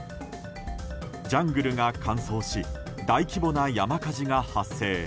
ジャングルが乾燥し大規模な山火事が発生。